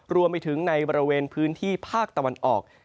รวมไปถึงในบริเวณพื้นที่ภาคตะวันออก